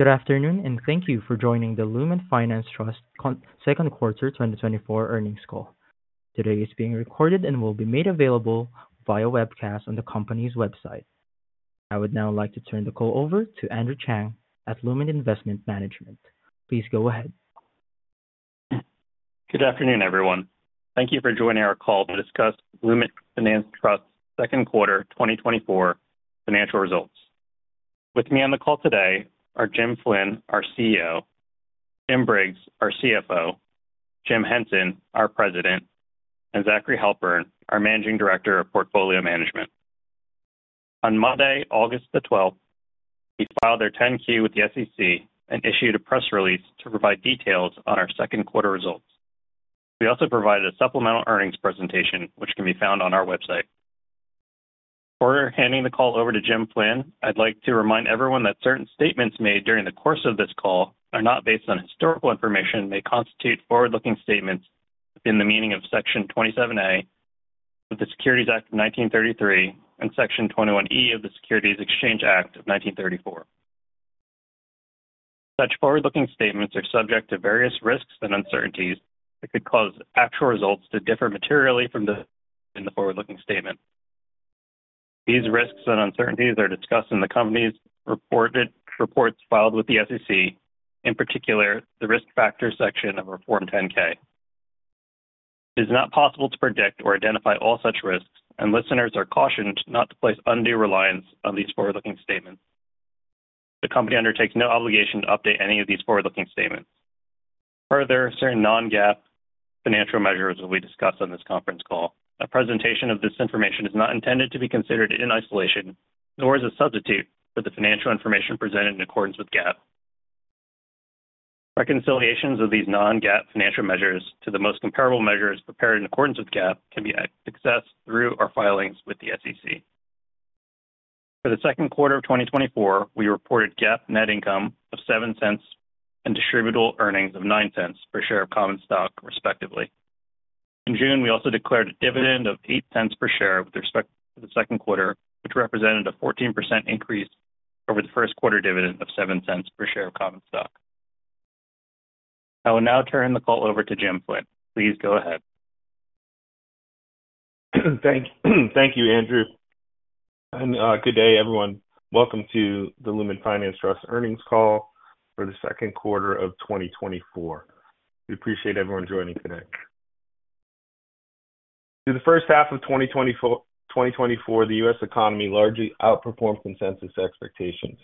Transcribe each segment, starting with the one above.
Good afternoon, and thank you for joining the Lument Finance Trust second quarter 2024 earnings call. Today is being recorded and will be made available via webcast on the company's website. I would now like to turn the call over to Andrew Tsang at Lument Investment Management. Please go ahead. Good afternoon, everyone. Thank you for joining our call to discuss Lument Finance Trust second quarter 2024 financial results. With me on the call today are Jim Flynn, our CEO, Jim Briggs, our CFO, Jim Henson, our President, and Zachary Halpern, our Managing Director of Portfolio Management. On Monday, August 12, we filed our 10-Q with the SEC and issued a press release to provide details on our second quarter results. We also provided a supplemental earnings presentation, which can be found on our website. Before handing the call over to Jim Flynn, I'd like to remind everyone that certain statements made during the course of this call are not based on historical information and may constitute forward-looking statements within the meaning of Section 27A of the Securities Act of 1933 and Section 21E of the Securities Exchange Act of 1934. Such forward-looking statements are subject to various risks and uncertainties that could cause actual results to differ materially from those in the forward-looking statements. These risks and uncertainties are discussed in the company's periodic reports filed with the SEC, in particular, the Risk Factors section of Form 10-K. It is not possible to predict or identify all such risks, and listeners are cautioned not to place undue reliance on these forward-looking statements. The company undertakes no obligation to update any of these forward-looking statements. Further, certain non-GAAP financial measures will be discussed on this conference call. A presentation of this information is not intended to be considered in isolation, nor as a substitute for the financial information presented in accordance with GAAP. Reconciliations of these non-GAAP financial measures to the most comparable measures prepared in accordance with GAAP can be accessed through our filings with the SEC. For the second quarter of 2024, we reported GAAP net income of $0.07 and Distributable Earnings of $0.09 per share of common stock, respectively. In June, we also declared a dividend of $0.08 per share with respect to the second quarter, which represented a 14% increase over the first quarter dividend of $0.07 per share of common stock. I will now turn the call over to Jim Flynn. Please go ahead. Thank you, Andrew, and good day, everyone. Welcome to the Lument Finance Trust earnings call for the second quarter of 2024. We appreciate everyone joining today. Through the first half of 2024, the U.S. economy largely outperformed consensus expectations.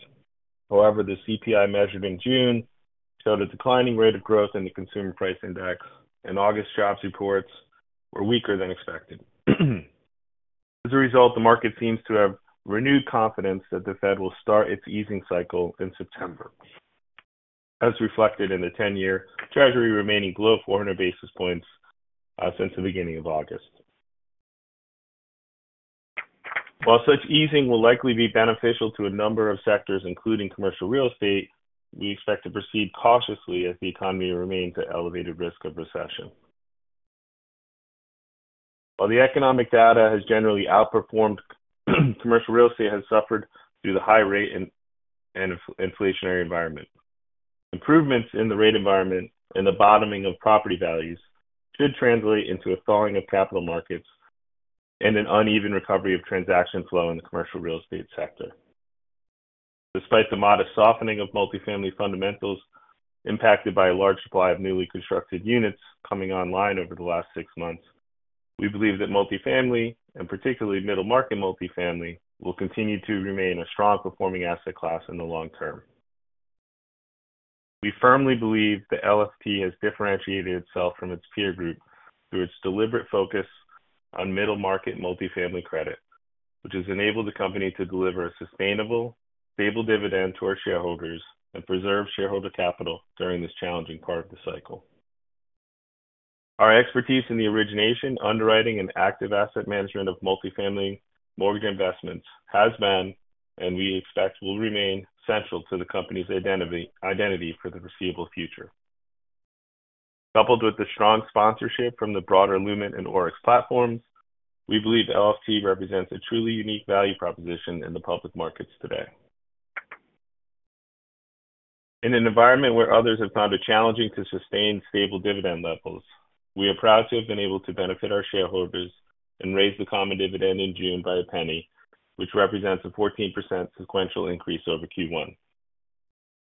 However, the CPI measured in June showed a declining rate of growth in the Consumer Price Index, and August jobs reports were weaker than expected. As a result, the market seems to have renewed confidence that the Fed will start its easing cycle in September, as reflected in the 10-year Treasury remaining below 400 basis points since the beginning of August. While such easing will likely be beneficial to a number of sectors, including commercial real estate, we expect to proceed cautiously as the economy remains at elevated risk of recession. While the economic data has generally outperformed, commercial real estate has suffered through the high rate and inflationary environment. Improvements in the rate environment and the bottoming of property values should translate into a thawing of capital markets and an uneven recovery of transaction flow in the commercial real estate sector. Despite the modest softening of multifamily fundamentals impacted by a large supply of newly constructed units coming online over the last six months, we believe that multifamily, and particularly middle-market multifamily, will continue to remain a strong-performing asset class in the long term. We firmly believe that LFT has differentiated itself from its peer group through its deliberate focus on middle-market multifamily credit, which has enabled the company to deliver a sustainable, stable dividend to our shareholders and preserve shareholder capital during this challenging part of the cycle. Our expertise in the origination, underwriting, and active asset management of multifamily mortgage investments has been, and we expect will remain, central to the company's identity for the foreseeable future. Coupled with the strong sponsorship from the broader Lument and ORIX platforms, we believe LFT represents a truly unique value proposition in the public markets today. In an environment where others have found it challenging to sustain stable dividend levels, we are proud to have been able to benefit our shareholders and raise the common dividend in June by a penny, which represents a 14% sequential increase over Q1.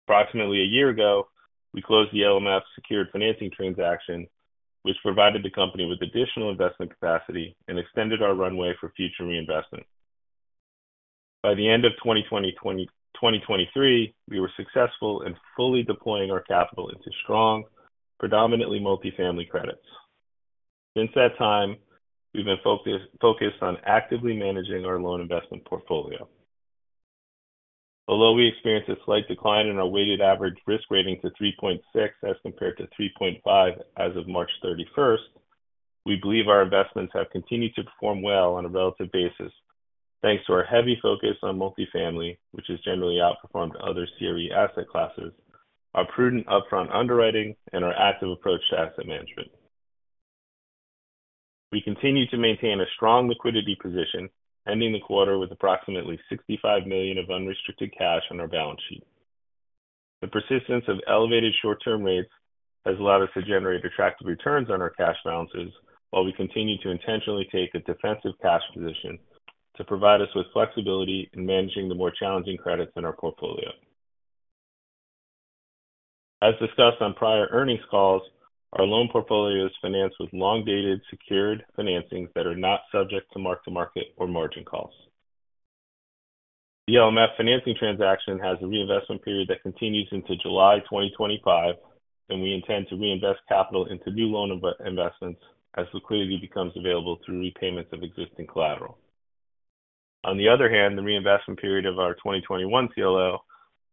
Approximately a year ago, we closed the LMF secured financing transaction, which provided the company with additional investment capacity and extended our runway for future reinvestment. By the end of 2023, we were successful in fully deploying our capital into strong, predominantly multifamily credits. Since that time, we've been focused on actively managing our loan investment portfolio. Although we experienced a slight decline in our weighted average risk rating to 3.6 as compared to 3.5 as of March thirty-first, we believe our investments have continued to perform well on a relative basis, thanks to our heavy focus on multifamily, which has generally outperformed other CRE asset classes, our prudent upfront underwriting, and our active approach to asset management. We continue to maintain a strong liquidity position, ending the quarter with approximately $65 million of unrestricted cash on our balance sheet. The persistence of elevated short-term rates has allowed us to generate attractive returns on our cash balances, while we continue to intentionally take a defensive cash position to provide us with flexibility in managing the more challenging credits in our portfolio. As discussed on prior earnings calls, our loan portfolio is financed with long-dated secured financings that are not subject to mark-to-market or margin calls. The LMF financing transaction has a reinvestment period that continues into July 2025, and we intend to reinvest capital into new loan investments as liquidity becomes available through repayments of existing collateral. On the other hand, the reinvestment period of our 2021 CLO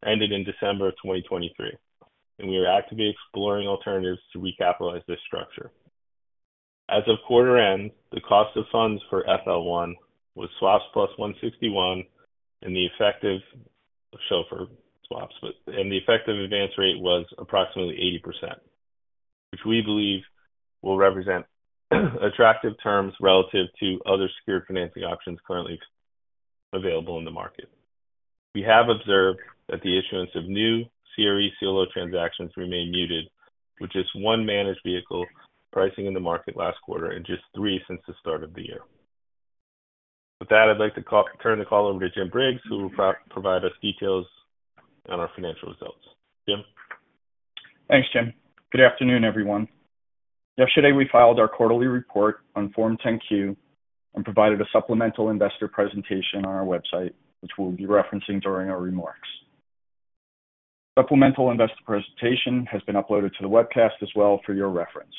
ended in December 2023, and we are actively exploring alternatives to recapitalize this structure. As of quarter end, the cost of funds for FL1 was SOFR plus 161, and the effective SOFR and the effective advance rate was approximately 80%, which we believe will represent attractive terms relative to other secured financing options currently available in the market. We have observed that the issuance of new CRE CLO transactions remain muted, with just one managed vehicle pricing in the market last quarter and just three since the start of the year. With that, I'd like to turn the call over to Jim Briggs, who will provide us details on our financial results. Jim? Thanks, Jim. Good afternoon, everyone. Yesterday, we filed our quarterly report on Form 10-Q and provided a supplemental investor presentation on our website, which we'll be referencing during our remarks. Supplemental investor presentation has been uploaded to the webcast as well for your reference.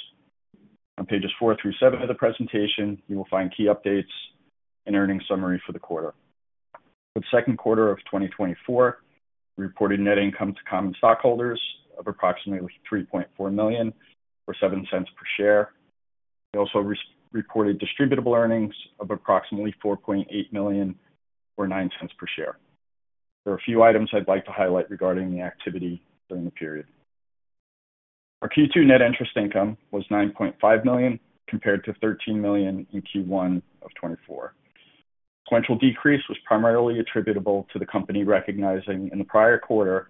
On pages 4 through 7 of the presentation, you will find key updates and earnings summary for the quarter. For the second quarter of 2024, we reported net income to common stockholders of approximately $3.4 million, or $0.07 per share. We also reported distributable earnings of approximately $4.8 million, or $0.09 per share. There are a few items I'd like to highlight regarding the activity during the period. Our Q2 net interest income was $9.5 million, compared to $13 million in Q1 of 2024. Sequential decrease was primarily attributable to the company recognizing, in the prior quarter,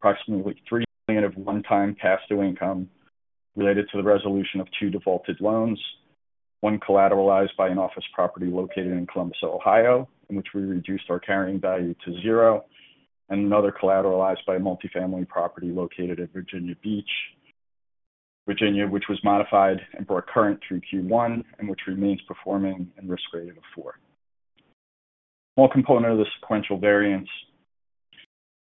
approximately $3 million of one-time cash to income related to the resolution of two defaulted loans. One collateralized by an office property located in Columbus, Ohio, in which we reduced our carrying value to zero, and another collateralized by a multifamily property located at Virginia Beach, Virginia, which was modified and brought current through Q1, and which remains performing in risk rating of four. One component of the sequential variance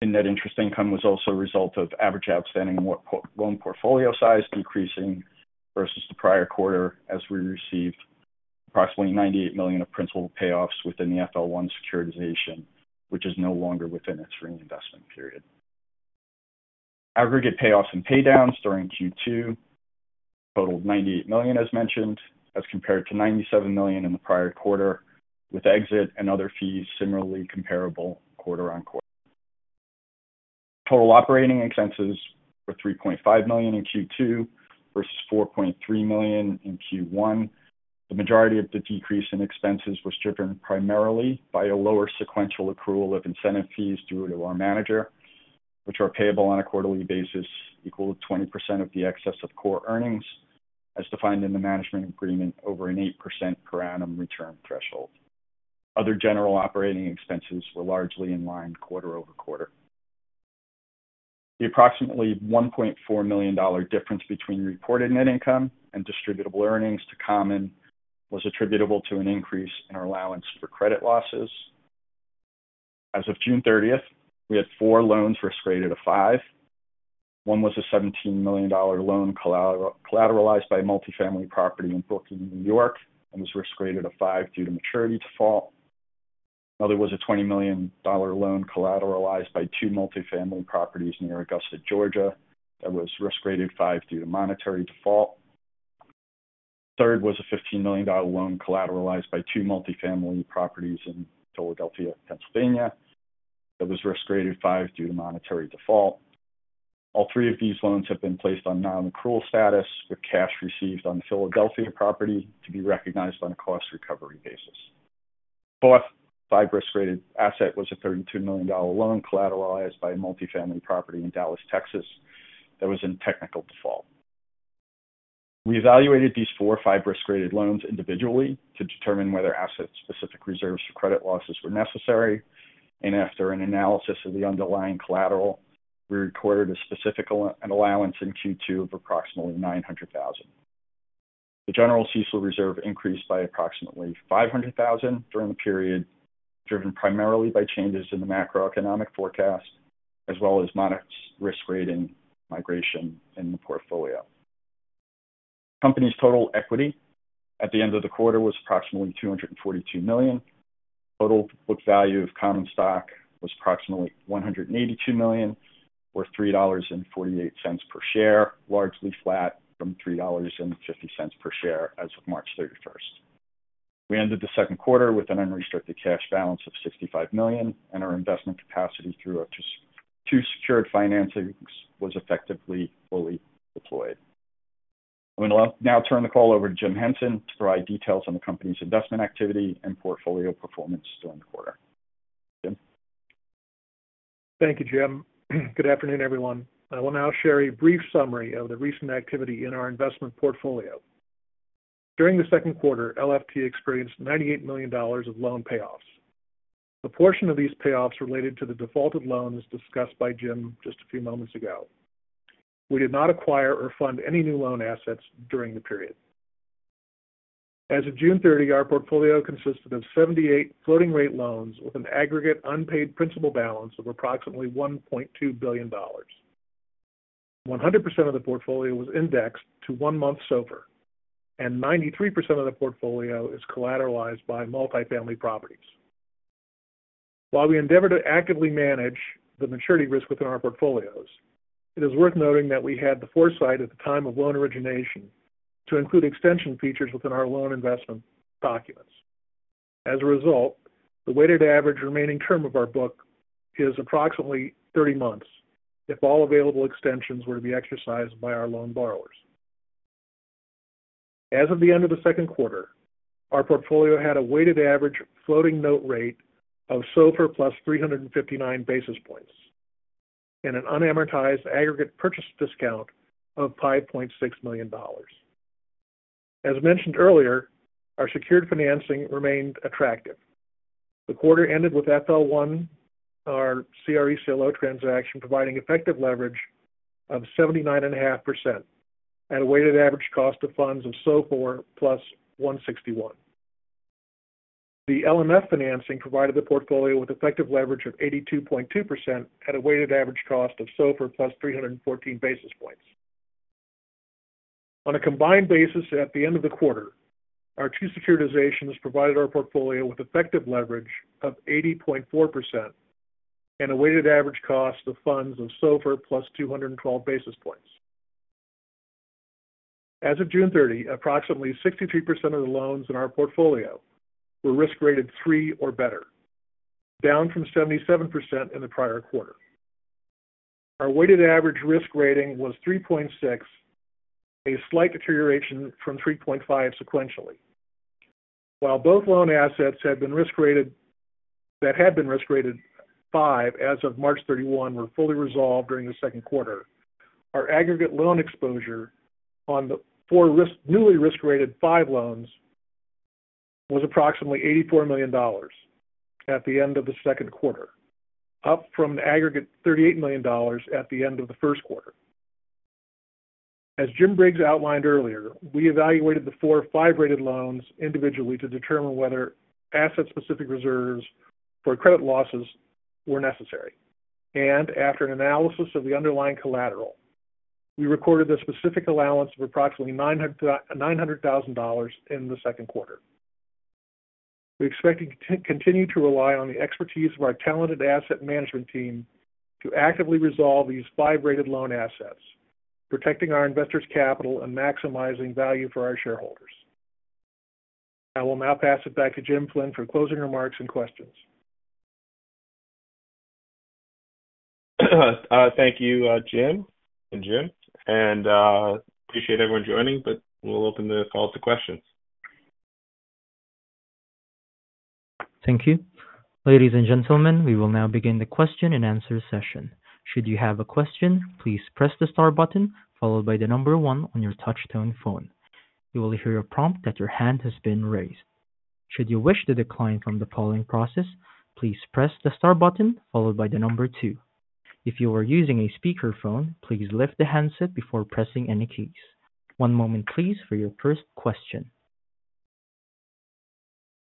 in net interest income was also a result of average outstanding amortized loan portfolio size decreasing versus the prior quarter, as we received approximately $98 million of principal payoffs within the FL1 securitization, which is no longer within its reinvestment period. Aggregate payoffs and paydowns during Q2 totaled $98 million, as mentioned, as compared to $97 million in the prior quarter, with exit and other fees similarly comparable quarter-over-quarter. Total operating expenses were $3.5 million in Q2 versus $4.3 million in Q1. The majority of the decrease in expenses was driven primarily by a lower sequential accrual of incentive fees due to our manager, which are payable on a quarterly basis, equal to 20% of the excess of core earnings, as defined in the management agreement over an 8% per annum return threshold. Other general operating expenses were largely in line quarter-over-quarter. The approximately $1.4 million dollar difference between reported net income and Distributable Earnings to common was attributable to an increase in our allowance for credit losses. As of June 30th, we had 4 loans risk-rated a 5. One was a $17 million loan collateralized by a multifamily property in Brooklyn, New York, and was risk-rated a 5 due to maturity default. Another was a $20 million loan collateralized by two multifamily properties near Augusta, Georgia, that was risk-rated 5 due to monetary default. Third was a $15 million loan collateralized by two multifamily properties in Philadelphia, Pennsylvania, that was risk-rated 5 due to monetary default. All three of these loans have been placed on non-accrual status, with cash received on the Philadelphia property to be recognized on a cost recovery basis. Fourth, 5-risk rated asset was a $32 million loan collateralized by a multifamily property in Dallas, Texas, that was in technical default. We evaluated these four higher risk-rated loans individually to determine whether asset-specific reserves for credit losses were necessary, and after an analysis of the underlying collateral, we recorded a specific allowance in Q2 of approximately $900,000. The general CECL reserve increased by approximately $500,000 during the period, driven primarily by changes in the macroeconomic forecast, as well as non-watch risk rating migration in the portfolio. Company's total equity at the end of the quarter was approximately $242 million. Total book value of common stock was approximately $182 million, or $3.48 per share, largely flat from $3.50 per share as of March 31st. ...We ended the second quarter with an unrestricted cash balance of $65 million, and our investment capacity through up to 2 secured financings was effectively fully deployed. I'm going to now turn the call over to Jim Henson to provide details on the company's investment activity and portfolio performance during the quarter. Jim? Thank you, Jim. Good afternoon, everyone. I will now share a brief summary of the recent activity in our investment portfolio. During the second quarter, LFT experienced $98 million of loan payoffs. A portion of these payoffs related to the defaulted loans discussed by Jim just a few moments ago. We did not acquire or fund any new loan assets during the period. As of June 30, our portfolio consisted of 78 floating rate loans with an aggregate unpaid principal balance of approximately $1.2 billion. 100% of the portfolio was indexed to one-month SOFR, and 93% of the portfolio is collateralized by multifamily properties. While we endeavor to actively manage the maturity risk within our portfolios, it is worth noting that we had the foresight at the time of loan origination to include extension features within our loan investment documents. As a result, the weighted average remaining term of our book is approximately 30 months if all available extensions were to be exercised by our loan borrowers. As of the end of the second quarter, our portfolio had a weighted average floating note rate of SOFR + 359 basis points and an unamortized aggregate purchase discount of $5.6 million. As mentioned earlier, our secured financing remained attractive. The quarter ended with FL1, our CRE CLO transaction, providing effective leverage of 79.5% at a weighted average cost of funds of SOFR + 161. The LMF financing provided the portfolio with effective leverage of 82.2% at a weighted average cost of SOFR + 314 basis points. On a combined basis, at the end of the quarter, our two securitizations provided our portfolio with effective leverage of 80.4% and a weighted average cost of funds of SOFR plus 212 basis points. As of June 30, approximately 63% of the loans in our portfolio were risk-rated 3 or better, down from 77% in the prior quarter. Our weighted average risk rating was 3.6, a slight deterioration from 3.5 sequentially. While both loan assets that had been risk-rated 5 as of March 31 were fully resolved during the second quarter, our aggregate loan exposure on the four newly risk-rated 5 loans was approximately $84 million at the end of the second quarter, up from the aggregate $38 million at the end of the first quarter. As Jim Briggs outlined earlier, we evaluated the four 5-rated loans individually to determine whether asset-specific reserves for credit losses were necessary. After an analysis of the underlying collateral, we recorded a specific allowance of approximately $900,000 in the second quarter. We expect to continue to rely on the expertise of our talented asset management team to actively resolve these 5-rated loan assets, protecting our investors' capital and maximizing value for our shareholders. I will now pass it back to Jim Flynn for closing remarks and questions. Thank you, Jim and Jim, and appreciate everyone joining, but we'll open the call to questions. Thank you. Ladies and gentlemen, we will now begin the question and answer session. Should you have a question, please press the star button followed by the number 1 on your touchtone phone. You will hear a prompt that your hand has been raised. Should you wish to decline from the polling process, please press the star button followed by the number 2. If you are using a speakerphone, please lift the handset before pressing any keys. One moment, please, for your first question.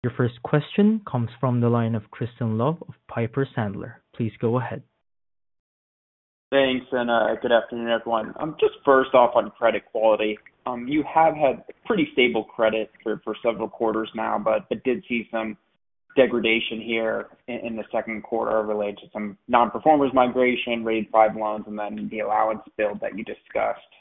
Your first question comes from the line of Crispin Love of Piper Sandler. Please go ahead. Thanks, and good afternoon, everyone. Just first off, on credit quality, you have had pretty stable credit for several quarters now, but I did see some degradation here in the second quarter related to some non-performers migration, rated 5 loans, and then the allowance build that you discussed.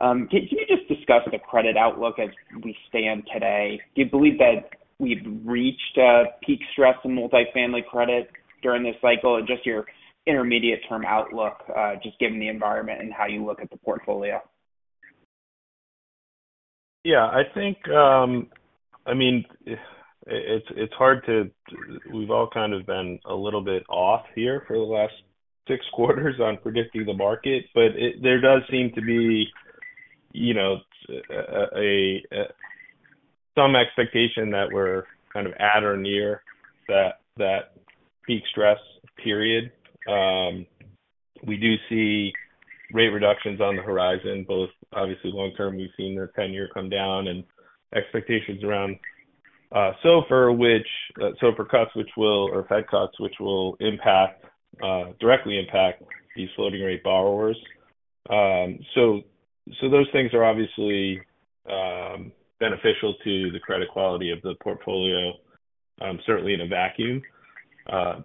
Can you just discuss the credit outlook as we stand today? Do you believe that we've reached a peak stress in multifamily credit during this cycle? And just your intermediate-term outlook, just given the environment and how you look at the portfolio. Yeah, I think, I mean, it's hard to—we've all kind of been a little bit off here for the last six quarters on predicting the market, but it—there does seem to be, you know, a some expectation that we're kind of at or near that peak stress period. We do see rate reductions on the horizon, both obviously long term, we've seen their 10-year come down and expectations around SOFR, which SOFR cuts, which will... Or Fed cuts, which will impact directly impact these floating rate borrowers. So those things are obviously beneficial to the credit quality of the portfolio... certainly in a vacuum.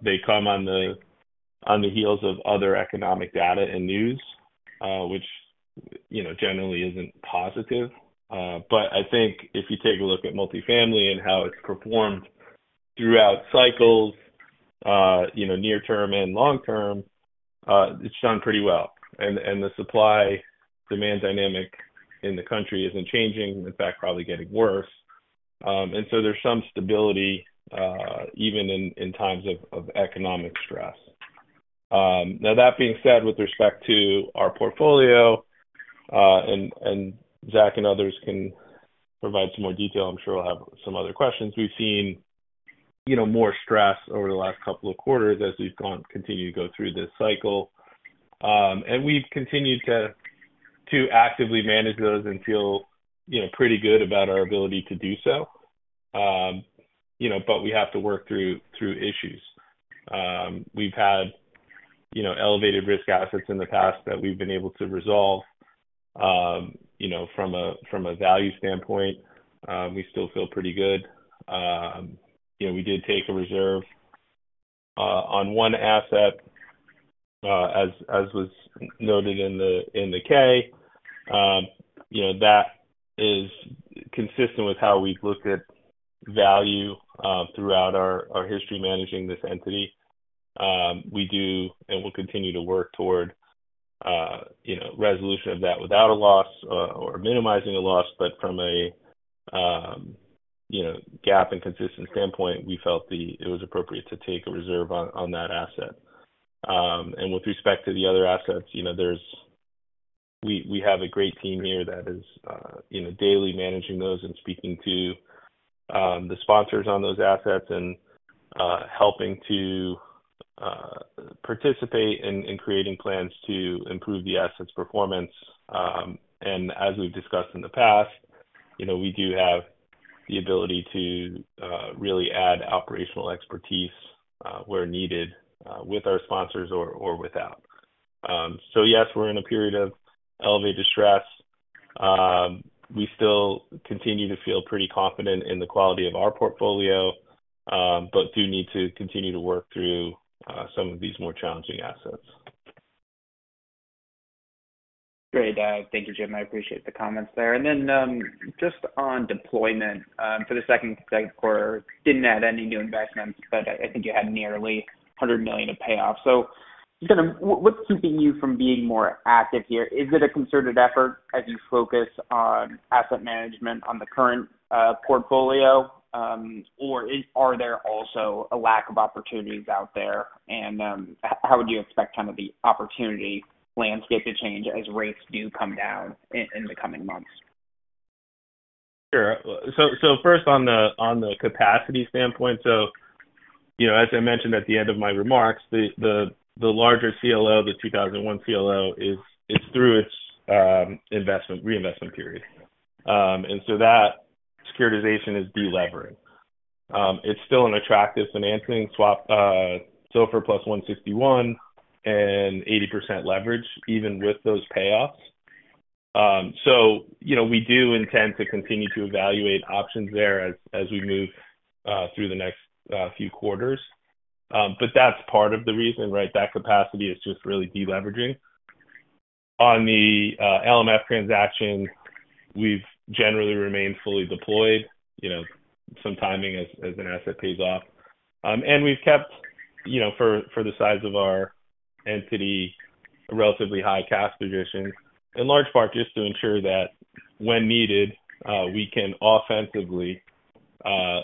They come on the heels of other economic data and news, which, you know, generally isn't positive. But I think if you take a look at multifamily and how it's performed throughout cycles, you know, near term and long term, it's done pretty well. And the supply-demand dynamic in the country isn't changing, in fact, probably getting worse. And so there's some stability, even in times of economic stress. Now that being said, with respect to our portfolio, Zach and others can provide some more detail, I'm sure we'll have some other questions. We've seen, you know, more stress over the last couple of quarters as we continue to go through this cycle. And we've continued to actively manage those and feel, you know, pretty good about our ability to do so. You know, but we have to work through issues. We've had, you know, elevated risk assets in the past that we've been able to resolve. You know, from a value standpoint, we still feel pretty good. You know, we did take a reserve on one asset, as was noted in the 10-K. You know, that is consistent with how we've looked at value throughout our history managing this entity. We do and will continue to work toward, you know, resolution of that without a loss or minimizing a loss. But from a, you know, GAAP and consistent standpoint, we felt it was appropriate to take a reserve on that asset. With respect to the other assets, you know, we have a great team here that is, you know, daily managing those and speaking to the sponsors on those assets and helping to participate in creating plans to improve the assets' performance. As we've discussed in the past, you know, we do have the ability to really add operational expertise where needed with our sponsors or without. So yes, we're in a period of elevated stress. We still continue to feel pretty confident in the quality of our portfolio, but do need to continue to work through some of these more challenging assets. Great. Thank you, Jim. I appreciate the comments there. And then, just on deployment, for the second quarter, didn't add any new investments, but I think you had nearly $100 million of payoffs. So kind of what, what's keeping you from being more active here? Is it a concerted effort as you focus on asset management on the current portfolio? Or, are there also a lack of opportunities out there? And, how would you expect kind of the opportunity landscape to change as rates do come down in the coming months? Sure. So first, on the capacity standpoint. So, you know, as I mentioned at the end of my remarks, the larger CLO, the 2021 CLO, is through its investment reinvestment period. And so that securitization is de-levering. It's still an attractive financing swap, SOFR plus 161 and 80% leverage even with those payoffs. So you know, we do intend to continue to evaluate options there as we move through the next few quarters. But that's part of the reason, right? That capacity is just really deleveraging. On the LMF transaction, we've generally remained fully deployed, you know, some timing as an asset pays off. And we've kept, you know, for the size of our entity, a relatively high cash position, in large part just to ensure that when needed, we can offensively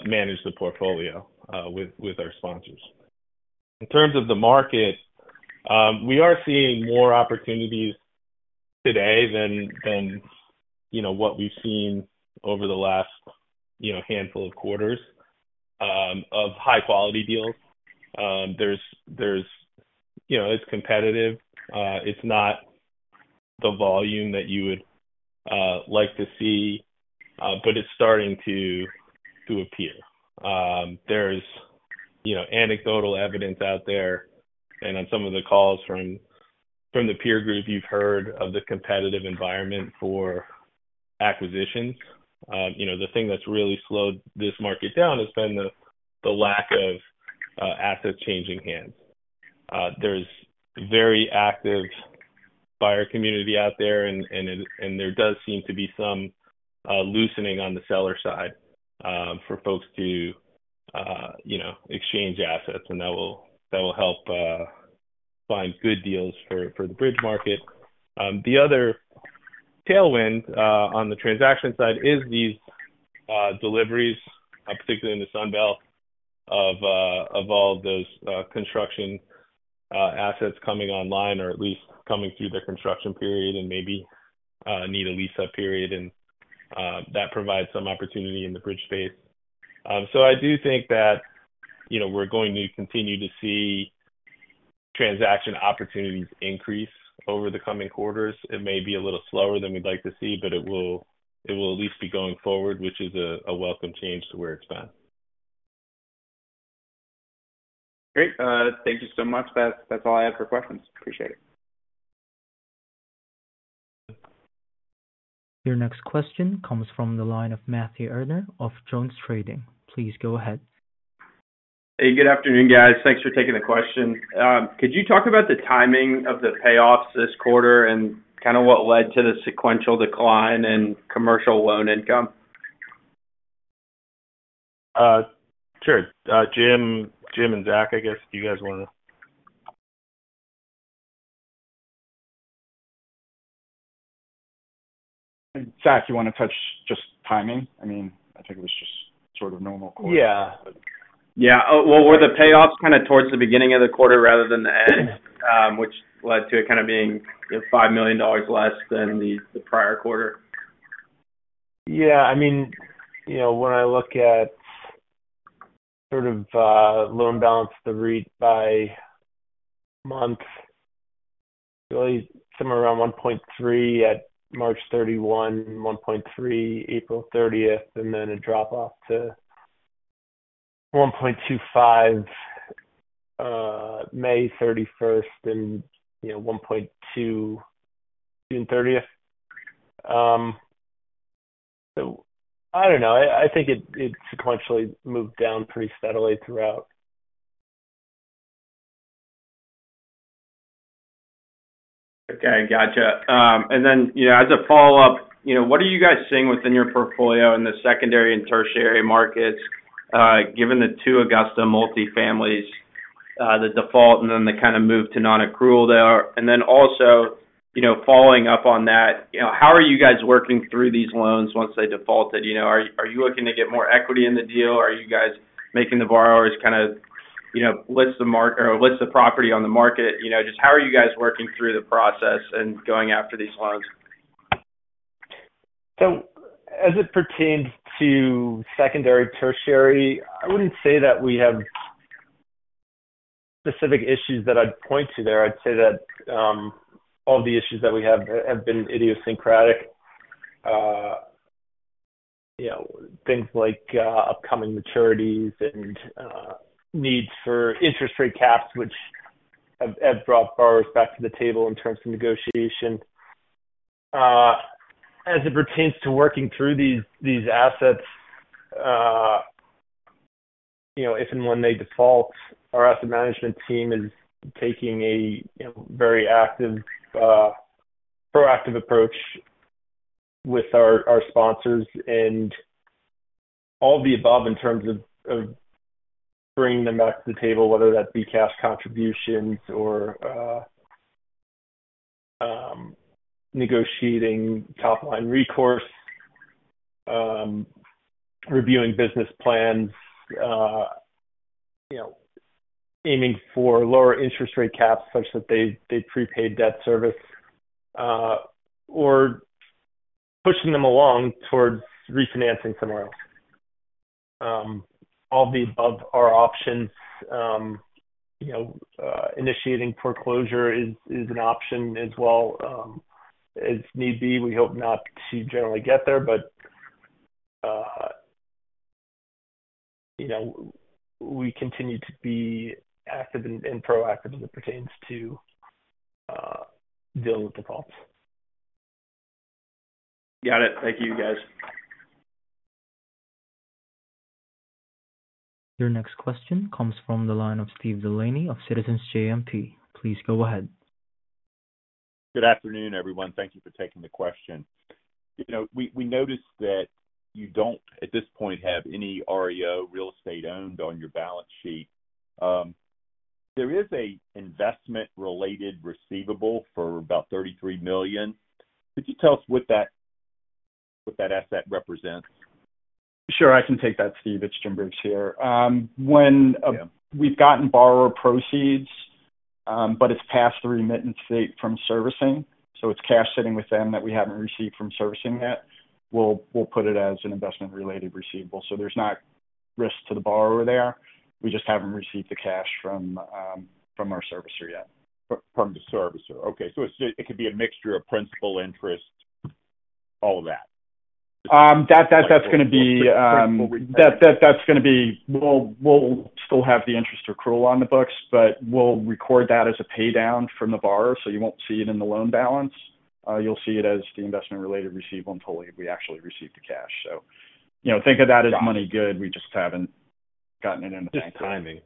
manage the portfolio with our sponsors. In terms of the market, we are seeing more opportunities today than you know, what we've seen over the last, you know, handful of quarters of high-quality deals. There's, You know, it's competitive. It's not the volume that you would like to see, but it's starting to appear. There's, you know, anecdotal evidence out there, and on some of the calls from the peer group, you've heard of the competitive environment for acquisitions. You know, the thing that's really slowed this market down has been the lack of assets changing hands. There's very active buyer community out there, and there does seem to be some loosening on the seller side for folks to, you know, exchange assets, and that will help find good deals for the bridge market. The other tailwind on the transaction side is these deliveries, particularly in the Sun Belt, of all those construction assets coming online or at least coming through the construction period and maybe need a lease-up period, and that provides some opportunity in the bridge space. So I do think that, you know, we're going to continue to see transaction opportunities increase over the coming quarters. It may be a little slower than we'd like to see, but it will, it will at least be going forward, which is a welcome change to where it's been. Great. Thank you so much. That's, that's all I have for questions. Appreciate it. Your next question comes from the line of Matthew Erdner of JonesTrading. Please go ahead. Hey, good afternoon, guys. Thanks for taking the question. Could you talk about the timing of the payoffs this quarter and kind of what led to the sequential decline in commercial loan income? Sure. Jim, Jim and Zach, I guess, do you guys want to... Zach, you want to touch just timing? I mean, I think it was just sort of normal quarter. Yeah. Yeah. Well, were the payoffs kind of towards the beginning of the quarter rather than the end, which led to it kind of being, you know, $5 million less than the prior quarter? Yeah, I mean, you know, when I look at sort of loan balance, the read by month, really somewhere around $1.3 at March 31, $1.3, April 30th, and then a drop off to $1.25, May 31st, and, you know, $1.2, June 30th. So I don't know. I think it sequentially moved down pretty steadily throughout. Okay, gotcha. And then, you know, as a follow-up, you know, what are you guys seeing within your portfolio in the secondary and tertiary markets, given the two Augusta multifamilies, the default, and then the kind of move to non-accrual there? And then also, you know, following up on that, you know, how are you guys working through these loans once they defaulted? You know, are you looking to get more equity in the deal? Are you guys making the borrowers kind of, you know, list the property on the market? You know, just how are you guys working through the process and going after these loans? So as it pertains to secondary, tertiary, I wouldn't say that we have specific issues that I'd point to there. I'd say that, all the issues that we have, have been idiosyncratic. You know, things like, upcoming maturities and, needs for interest rate caps, which have, have brought borrowers back to the table in terms of negotiation. As it pertains to working through these assets, you know, if and when they default, our asset management team is taking a, you know, very active, proactive approach with our sponsors and all the above in terms of bringing them back to the table, whether that be cash contributions or negotiating top-line recourse, reviewing business plans, you know, aiming for lower interest rate caps such that they prepaid debt service, or pushing them along towards refinancing somewhere else. All the above are options. You know, initiating foreclosure is an option as well, as need be. We hope not to generally get there, but you know, we continue to be active and proactive as it pertains to deal with defaults. Got it. Thank you, guys. Your next question comes from the line of Steve Delaney of Citizens JMP. Please go ahead. Good afternoon, everyone. Thank you for taking the question. You know, we, we noticed that you don't, at this point, have any REO real estate owned on your balance sheet. There is a investment-related receivable for about $33 million. Could you tell us what that, what that asset represents? Sure. I can take that, Steve. It's Jim Briggs here. When Yeah. We've gotten borrower proceeds, but it's past the remittance date from servicing, so it's cash sitting with them that we haven't received from servicing yet. We'll put it as an investment-related receivable, so there's not risk to the borrower there. We just haven't received the cash from our servicer yet. From the servicer. Okay. So it could be a mixture of principal interest, all of that? That's gonna be... We'll still have the interest accrual on the books, but we'll record that as a pay down from the borrower, so you won't see it in the loan balance. You'll see it as the investment-related receivable until we actually receive the cash. So, you know, think of that as money good. We just haven't gotten it in the bank. Just timing.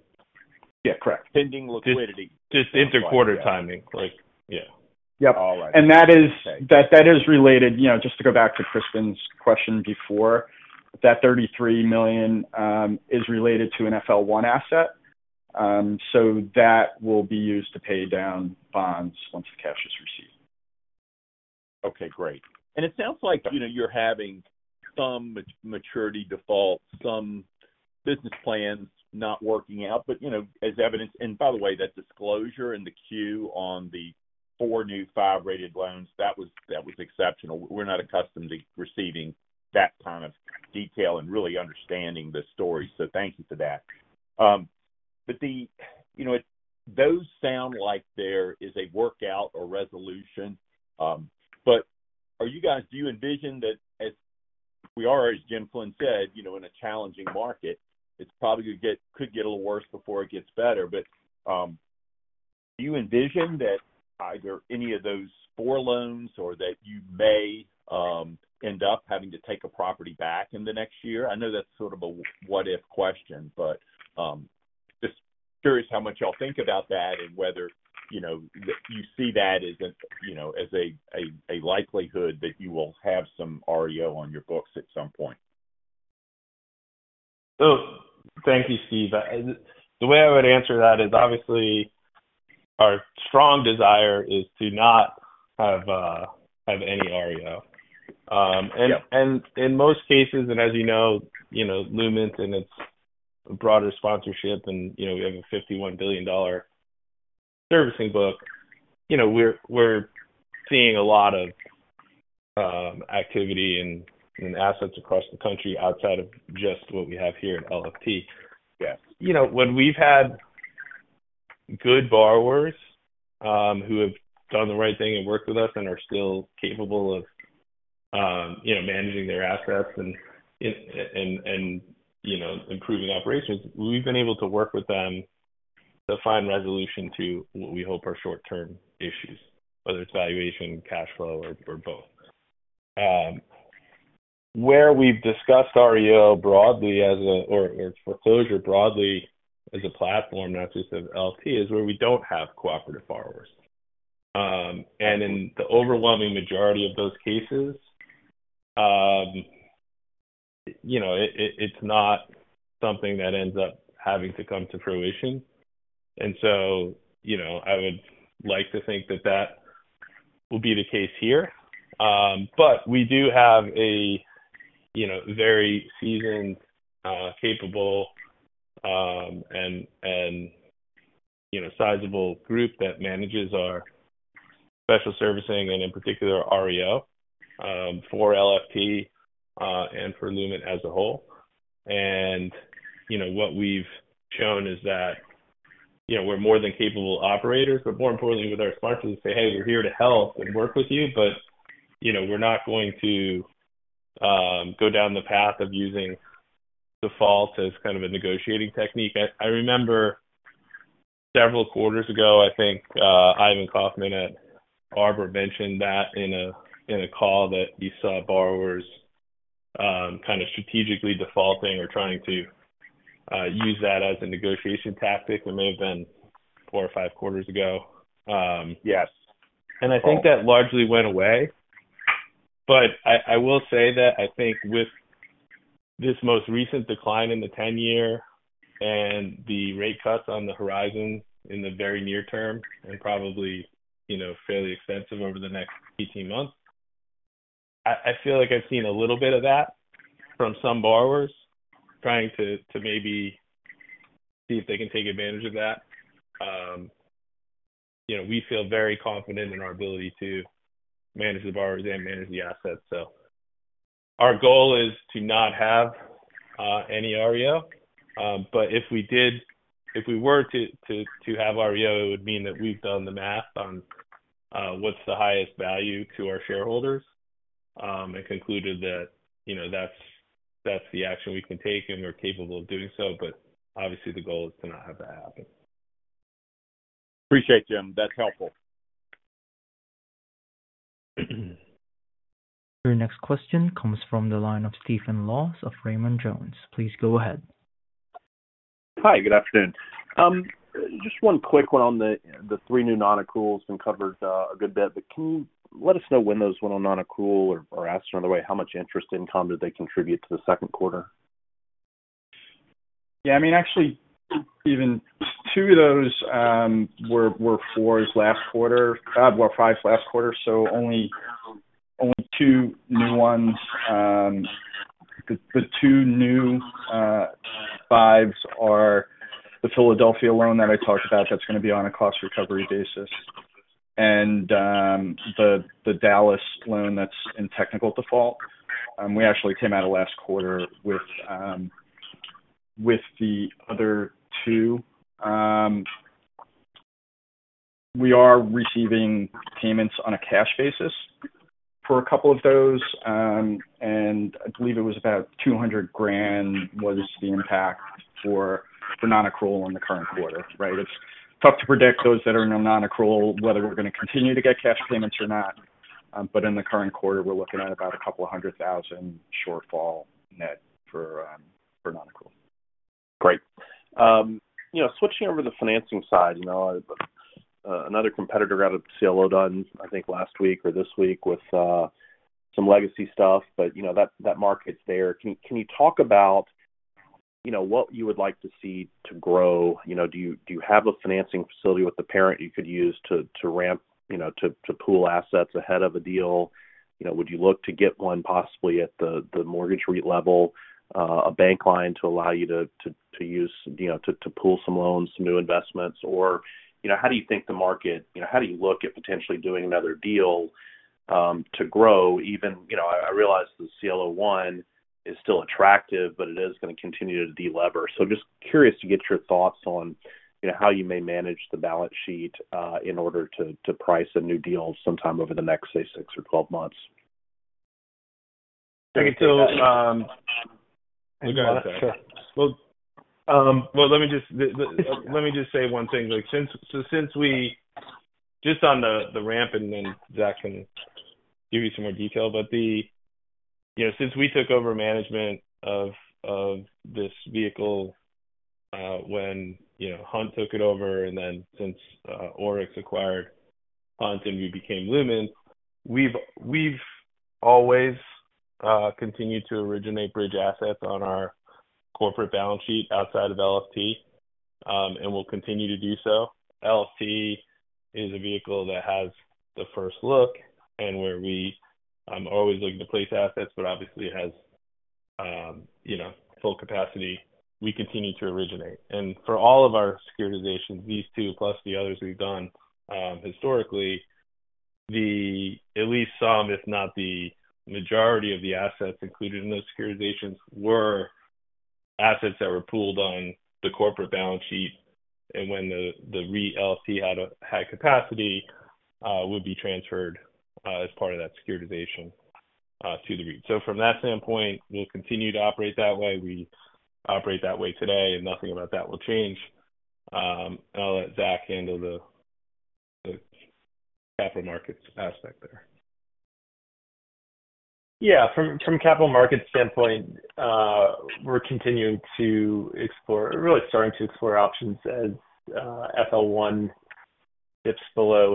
Yeah, correct. Pending liquidity. Just inter-quarter timing, like, yeah. Yep. All right. That is related, you know, just to go back to Crispin's question before, that $33 million is related to an FL1 asset. So that will be used to pay down bonds once the cash is received. Okay, great. And it sounds like, you know, you're having some maturity default, some business plans not working out, but, you know, as evidenced... And by the way, that disclosure and the Q on the four new five-rated loans, that was, that was exceptional. We're not accustomed to receiving that kind of detail and really understanding the story, so thank you for that. But the... You know, those sound like there is a workout or resolution, but are you guys—do you envision that as we are, as Jim Flynn said, you know, in a challenging market, it's probably gonna get, could get a little worse before it gets better, but. Do you envision that either any of those four loans or that you may end up having to take a property back in the next year? I know that's sort of a what-if question, but just curious how much y'all think about that and whether, you know, you see that as a, you know, as a likelihood that you will have some REO on your books at some point. Thank you, Steve. The way I would answer that is, obviously, our strong desire is to not have any REO. Yeah. In most cases, and as you know, you know, Lument and its broader sponsorship, and, you know, we have a $51 billion servicing book. You know, we're seeing a lot of activity in assets across the country outside of just what we have here at LFT. Yes. You know, when we've had good borrowers, who have done the right thing and worked with us and are still capable of, you know, managing their assets and you know, improving operations, we've been able to work with them to find resolution to what we hope are short-term issues, whether it's valuation, cash flow, or both. Where we've discussed REO broadly as a, or foreclosure broadly as a platform, not just of LP, is where we don't have cooperative borrowers. And in the overwhelming majority of those cases, you know, it’s not something that ends up having to come to fruition. And so, you know, I would like to think that that will be the case here. But we do have a, you know, very seasoned, capable, and sizable group that manages our special servicing and in particular, REO for LFT and for Lument as a whole. And, you know, what we've shown is that, you know, we're more than capable operators, but more importantly, with our sponsors say, "Hey, we're here to help and work with you, but, you know, we're not going to go down the path of using default as kind of a negotiating technique." I remember several quarters ago, I think, Ivan Kaufman at Arbor mentioned that in a call that you saw borrowers' kind of strategically defaulting or trying to use that as a negotiation tactic. It may have been four or five quarters ago. Yes. I think that largely went away. But I will say that I think with this most recent decline in the 10-year and the rate cuts on the horizon in the very near term and probably, you know, fairly extensive over the next 18 months, I feel like I've seen a little bit of that from some borrowers trying to maybe see if they can take advantage of that. You know, we feel very confident in our ability to manage the borrowers and manage the assets. So our goal is to not have any REO. But if we did, if we were to have REO, it would mean that we've done the math on what's the highest value to our shareholders and concluded that, you know, that's the action we can take, and we're capable of doing so. But obviously, the goal is to not have that happen. Appreciate, Jim. That's helpful. Your next question comes from the line of Stephen Laws of Raymond James. Please go ahead. Hi, good afternoon. Just one quick one on the three new non-accruals been covered a good bit, but can you let us know when those went on non-accrual or, or ask another way, how much interest income did they contribute to the second quarter? Yeah, I mean, actually, even two of those were fours last quarter, well, fives last quarter, so only two new ones. The two new fives are the Philadelphia loan that I talked about. That's gonna be on a cost recovery basis. And the Dallas loan that's in technical default. We actually came out of last quarter with the other two. We are receiving payments on a cash basis for a couple of those. And I believe it was about $200,000 was the impact for non-accrual in the current quarter, right? It's tough to predict those that are in a non-accrual, whether we're gonna continue to get cash payments or not. But in the current quarter, we're looking at about a couple hundred thousand shortfall net for non-accrual. Great. You know, switching over to the financing side, you know, another competitor out of CLO done, I think last week or this week, with some legacy stuff, but, you know, that, that market's there. Can you talk about, you know, what you would like to see to grow? You know, do you have a financing facility with the parent you could use to ramp, you know, to pool assets ahead of a deal? You know, would you look to get one possibly at the mortgage rate level, a bank line to allow you to use, you know, to pool some loans, some new investments, or, you know, how do you think the market? You know, how do you look at potentially doing another deal to grow even. You know, I realize the CLO one is still attractive, but it is gonna continue to delever. So just curious to get your thoughts on, you know, how you may manage the balance sheet in order to price a new deal sometime over the next, say, six or 12 months? So, well, let me just say one thing. Like, since we just on the ramp, and then Zach can give you some more detail, but you know, since we took over management of this vehicle, when you know, Hunt took it over, and then since ORIX acquired Hunt, and we became Lument, we've always continued to originate bridge assets on our corporate balance sheet outside of LFT, and we'll continue to do so. LFT is a vehicle that has the first look and where we are always looking to place assets, but obviously it has you know, full capacity. We continue to originate. And for all of our securitizations, these two plus the others we've done, historically, at least some, if not the majority of the assets included in those securitizations were assets that were pooled on the corporate balance sheet, and when the REIT LFT had capacity, would be transferred as part of that securitization to the REIT. So from that standpoint, we'll continue to operate that way. We operate that way today, and nothing about that will change. And I'll let Zach handle the capital markets aspect there. Yeah, from a capital market standpoint, we're continuing to explore, really starting to explore options as FL1 dips below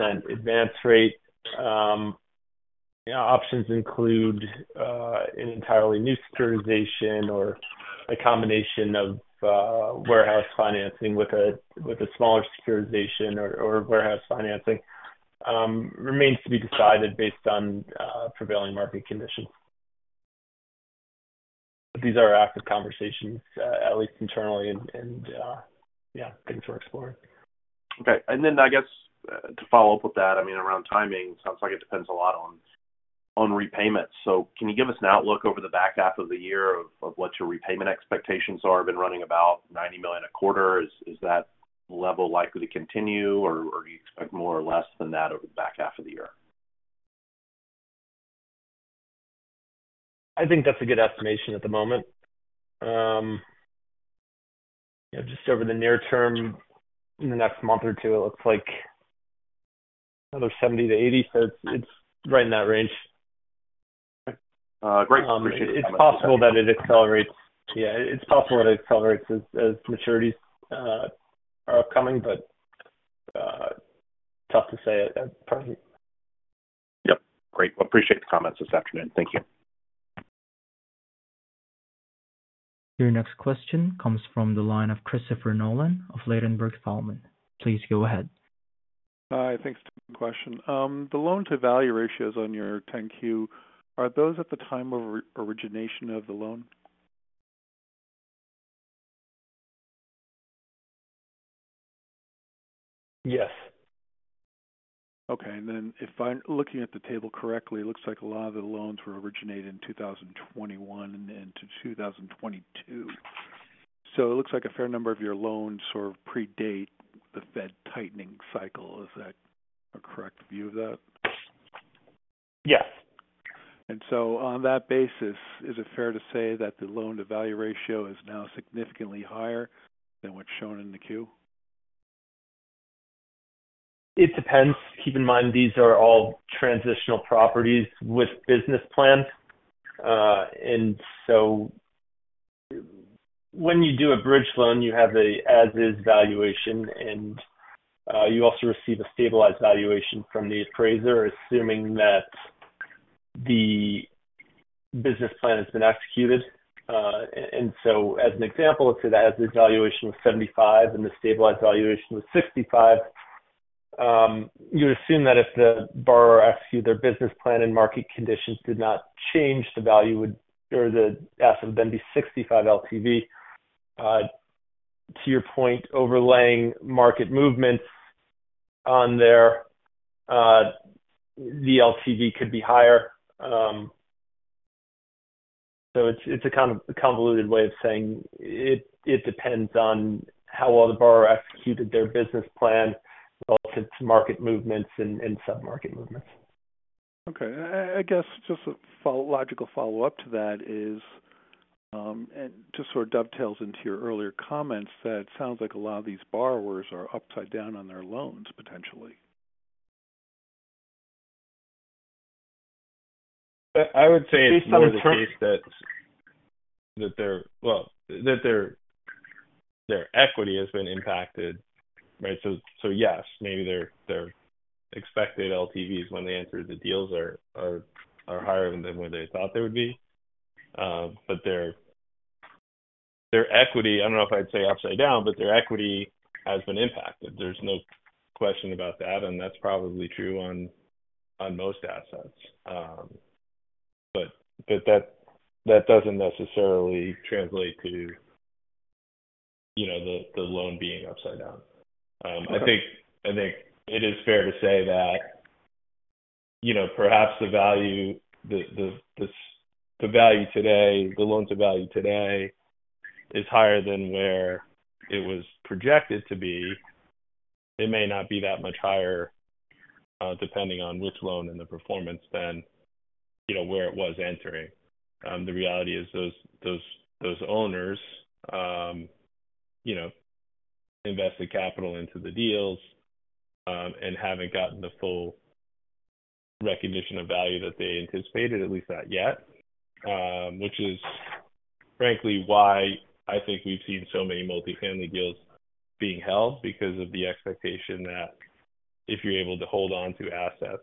80% advance rate. Yeah, options include an entirely new securitization or a combination of warehouse financing with a smaller securitization or warehouse financing remains to be decided based on prevailing market conditions. These are active conversations, at least internally and yeah, things we're exploring. Okay. And then I guess to follow up with that, I mean, around timing, it sounds like it depends a lot on repayments. So, can you give us an outlook over the back half of the year of what your repayment expectations are? Been running about $90 million a quarter. Is that level likely to continue, or do you expect more or less than that over the back half of the year? I think that's a good estimation at the moment. You know, just over the near term, in the next month or two, it looks like another $70 million-$80 million. So it's, it's right in that range. Okay. Great. Appreciate it. It's possible that it accelerates. Yeah, it's possible that it accelerates as maturities are upcoming, but tough to say at present. Yep. Great. Well, appreciate the comments this afternoon. Thank you. Your next question comes from the line of Christopher Nolan of Ladenburg Thalmann. Please go ahead. Hi, thanks for the question. The loan-to-value ratios on your 10-Q, are those at the time of re-origination of the loan? Yes. Okay. Then if I'm looking at the table correctly, it looks like a lot of the loans were originated in 2021 and into 2022. So it looks like a fair number of your loans sort of predate the Fed tightening cycle. Is that a correct view of that? Yes. And so, on that basis, is it fair to say that the loan-to-value ratio is now significantly higher than what's shown in the Q? It depends. Keep in mind, these are all transitional properties with business plans. And so when you do a bridge loan, you have an as-is valuation, and you also receive a stabilized valuation from the appraiser, assuming that the business plan has been executed. And so, as an example, let's say the as-is valuation was 75, and the stabilized valuation was 65, you assume that if the borrower executed their business plan and market conditions did not change, the value would or the asset would then be 65 LTV. To your point, overlaying market movements on there, the LTV could be higher. So it's, it's a kind of convoluted way of saying it, it depends on how well the borrower executed their business plan, relative to market movements and, and submarket movements. Okay. I guess just a logical follow-up to that is, and just sort of dovetails into your earlier comments, that it sounds like a lot of these borrowers are upside down on their loans, potentially. I would say it's more the case that their equity has been impacted, right? So, yes, maybe their expected LTVs when they entered the deals are higher than what they thought they would be. But their equity, I don't know if I'd say upside down, but their equity has been impacted. There's no question about that, and that's probably true on most assets. But that doesn't necessarily translate to, you know, the loan being upside down. I think it is fair to say that, you know, perhaps the value today, the loan-to-value today is higher than where it was projected to be. It may not be that much higher, depending on which loan and the performance than where it was entering. The reality is those owners, you know, invest the capital into the deals, and haven't gotten the full recognition of value that they anticipated, at least not yet. Which is frankly why I think we've seen so many multifamily deals being held because of the expectation that if you're able to hold on to assets,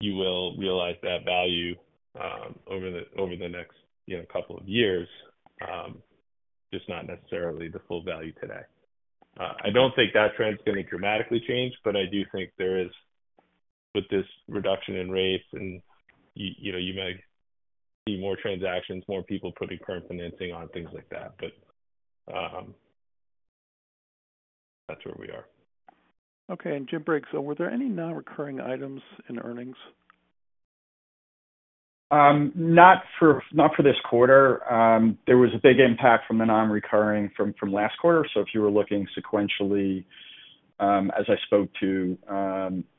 you will realize that value, over the next, you know, couple of years, just not necessarily the full value today. I don't think that trend's gonna dramatically change, but I do think there is, with this reduction in rates and you know, you might see more transactions, more people putting current financing on things like that. But, that's where we are. Okay, and Jim Briggs, so were there any non-recurring items in earnings? Not for this quarter. There was a big impact from the non-recurring from last quarter. So if you were looking sequentially, as I spoke to,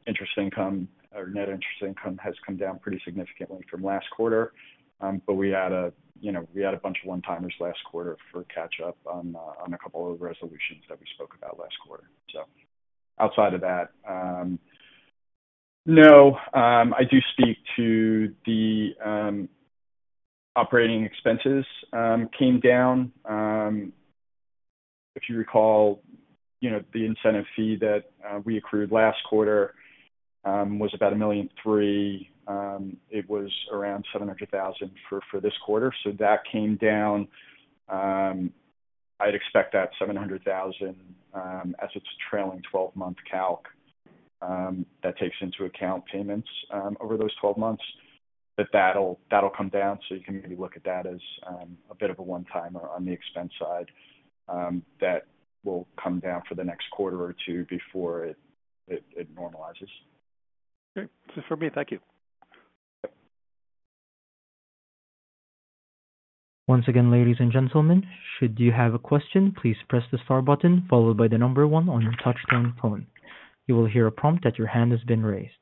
interest income or net interest income has come down pretty significantly from last quarter. But we had a, you know, we had a bunch of one-timers last quarter for catch up on, on a couple of resolutions that we spoke about last quarter. So outside of that, no, I do speak to the operating expenses came down. If you recall, you know, the incentive fee that we accrued last quarter was about $1.3 million. It was around $700,000 for this quarter. So that came down. I'd expect that $700,000, as it's a trailing 12-month calc, that takes into account payments over those 12 months. But that'll come down, so you can maybe look at that as a bit of a one-timer on the expense side. That will come down for the next quarter or 2 before it normalizes. Great. That's it for me. Thank you. Yep. Once again, ladies and gentlemen, should you have a question, please press the star button followed by the number one on your touchtone phone. You will hear a prompt that your hand has been raised.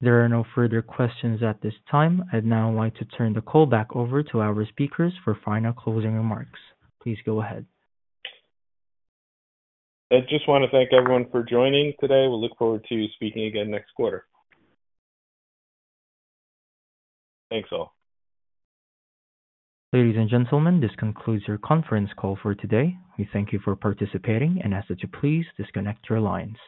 There are no further questions at this time. I'd now like to turn the call back over to our speakers for final closing remarks. Please go ahead. I just want to thank everyone for joining today. We look forward to speaking again next quarter. Thanks, all. Ladies and gentlemen, this concludes your conference call for today. We thank you for participating and ask that you please disconnect your lines.